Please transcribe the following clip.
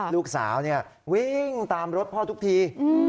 ลูกสาววิ่งตามรถพ่อทุกที